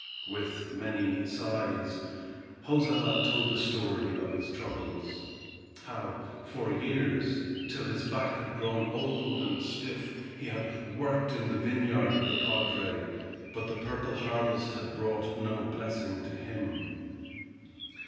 With many sighs, Joza told the story of his troubles; how, for years, till his back had grown old and stiff, he had worked in the vineyard of the padre, but the purple harvest had brought no blessing to him.